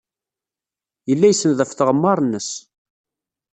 Yella isenned ɣef tɣemmar-nnes.